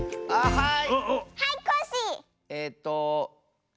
はい！